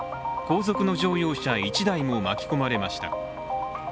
後続の乗用車１台も巻き込まれました。